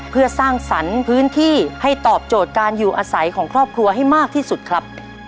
เพื่อสร้างสรรค์พื้นที่ให้ตอบโจทย์การอยู่อาศัยของครอบครัวให้มากที่สุดครับ